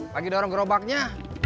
lagi ada orang gerobaknya